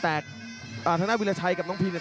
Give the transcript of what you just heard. เตกทางด้านวิลำนายไชยกับน้องพีเนี่ย